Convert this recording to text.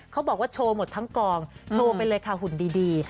เขาบอกว่าโชว์หมดทั้งกองโชว์ไปเลยค่ะหุ่นดี